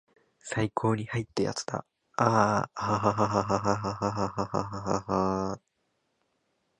最高にハイ!ってやつだアアアアアアハハハハハハハハハハーッ